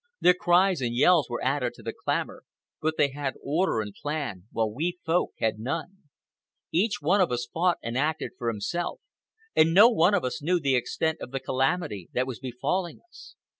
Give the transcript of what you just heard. Their cries and yells were added to the clamor, but they had order and plan, while we Folk had none. Each one of us fought and acted for himself, and no one of us knew the extent of the calamity that was befalling us.